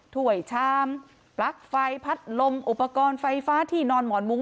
ถ้วยชามปลั๊กไฟพัดลมอุปกรณ์ไฟฟ้าที่นอนหมอนมุ้ง